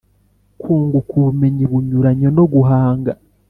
kunguka ubumenyi bunyuranye no guhanga